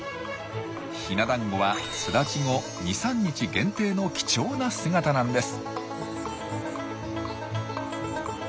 ヒナ団子は巣立ち後２３日限定の貴重な姿なんです。